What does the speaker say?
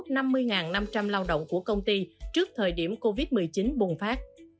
năm mươi năm trăm linh lao động của công ty trước thời điểm covid một mươi chín bùng phát